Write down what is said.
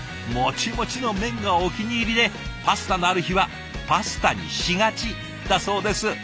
もちもちの麺がお気に入りでパスタのある日はパスタにしがちだそうです。